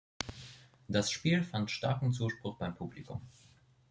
Das Spiel fand starken Zuspruch beim Publikum.